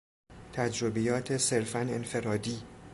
تجربیات صرفا انفرادی